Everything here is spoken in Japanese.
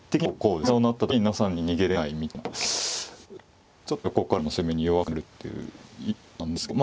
飛車を成った時に７三に逃げれないみたいなちょっと横からの攻めに弱くなるっていう意図なんですけどま